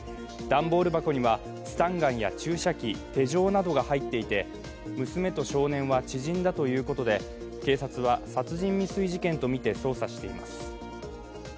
段ボール箱にはスタンガンや注射器、手錠などが入っていて娘と少年は知人だということで、警察は殺人未遂事件とみて捜査しています。